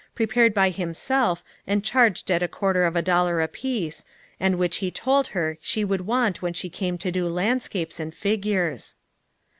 prepared by himself and charged at a quarter of a dollar apiece, and which he told her she would want when she came to do landscapes and figures.